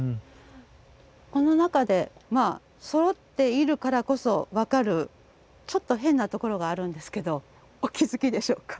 この中でまあそろっているからこそ分かるちょっと変なところがあるんですけどお気付きでしょうか？